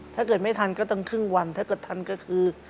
ถ้าเกิดไม่ทันก็ต้องครึ่งวันถ้าเกิดทันก็คือ